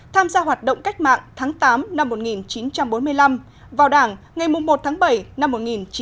tham gia hoạt động cách mạng tháng tám năm một nghìn chín trăm bốn mươi năm vào đảng ngày một tháng bảy năm một nghìn chín trăm bốn mươi năm